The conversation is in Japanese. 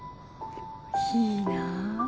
いいなぁ。